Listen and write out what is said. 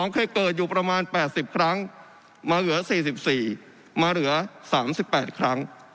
เคยเกิดอยู่ประมาณ๘๐ครั้งมาเหลือ๔๔มาเหลือ๓๘ครั้ง